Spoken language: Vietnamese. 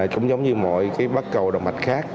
cũng giống như mọi bác cầu đồng mạch khác